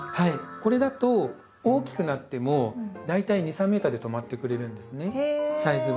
これだと大きくなっても大体２３ｍで止まってくれるんですねサイズが。